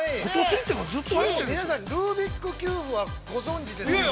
皆さんルービックキューブは、ご存じですよね。